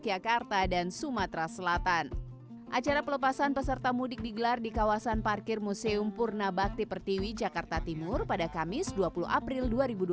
acara pelepasan peserta mudik digelar di kawasan parkir museum purna bakti pertiwi jakarta timur pada kamis dua puluh april dua ribu dua puluh